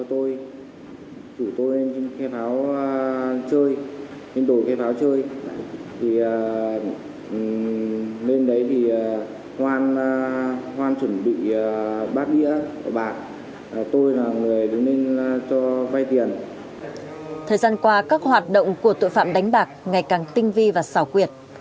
thời gian qua các hoạt động của tội phạm đánh bạc ngày càng tinh vi và xảo quyệt